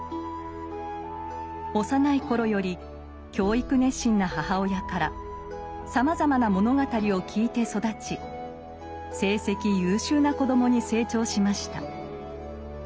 幼い頃より教育熱心な母親からさまざまな物語を聞いて育ち成績優秀な子供に成長しました。